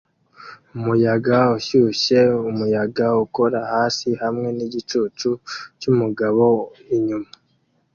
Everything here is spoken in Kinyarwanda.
Umuyaga ushyushye umuyaga ukora hasi hamwe nigicucu cyumugabo inyuma